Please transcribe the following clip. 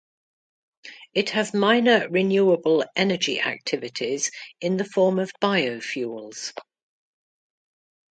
It has minor renewable energy activities in the form of biofuels.